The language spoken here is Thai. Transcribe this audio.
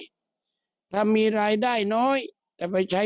ก็เป็นเรื่องของความศรัทธาเป็นการสร้างขวัญและกำลังใจ